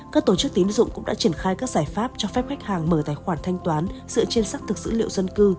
các tổ chức tín dụng cũng đã triển khai các giải pháp cho phép khách hàng mở tài khoản thanh toán dựa trên xác thực dữ liệu dân cư